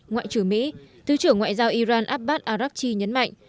ngoại trưởng mỹ thứ trưởng ngoại giao iran abbas arabchi nhấn mạnh